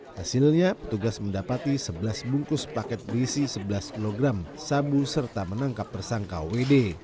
hasilnya petugas mendapati sebelas bungkus paket berisi sebelas kg sabu serta menangkap tersangka wd